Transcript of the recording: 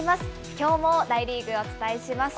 きょうも大リーグお伝えします。